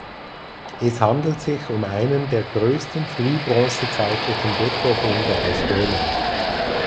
Es handelt sich um einen der größten frühbronzezeitlichen Depotfunde aus Böhmen.